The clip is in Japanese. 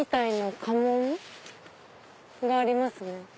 家紋がありますね。